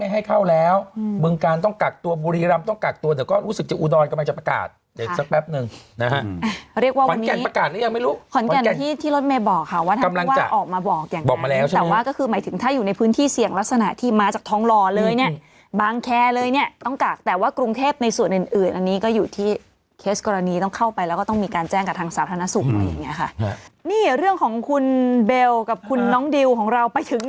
เหมือนกันที่รถเมย์บอกค่ะว่าทำไมว่าออกมาบอกอย่างนั้นแต่ว่าก็คือหมายถึงถ้าอยู่ในพื้นที่เสี่ยงลักษณะที่มาจากท้องหล่อเลยเนี่ยบางแคร์เลยเนี่ยต้องกากแต่ว่ากรุงเทพในส่วนอื่นอันนี้ก็อยู่ที่เคสกรณีต้องเข้าไปแล้วก็ต้องมีการแจ้งกับทางสาธารณสุขอย่างนี้ค่ะนี่เรื่องของคุณเบลกับคุณน้องดิวของเราไปถึ